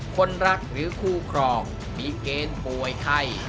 คนรักหรือคู่ครองมีเกณฑ์ป่วยไข้